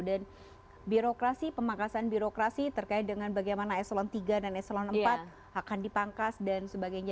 dan birokrasi pemangkasan birokrasi terkait dengan bagaimana e tiga dan e empat akan dipangkas dan sebagainya